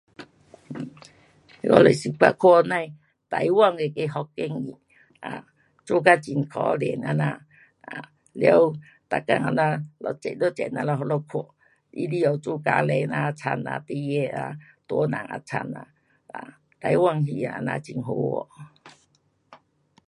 我是曾看那样的台湾那个福建戏，啊，做到很可怜这样。啊，完，每天这样一集一集咱们那里看，完，它里下家庭啊惨呐，孩儿啊，大人也惨。啊，台湾戏它这样很好看。